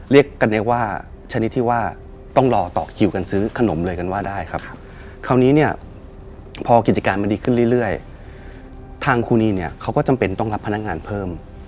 เรียกกันเรียกว่าชนิดที่ว่าต้องรอต่อคิวกันซื้อขนมเลยกันว่าได้ครับคราวนี้เนี่ยพอกิจการมันดีขึ้นเรื่อยทางครูนีเนี่ยเขาก็จำเป็นต้องรับพนักงานเพิ่ม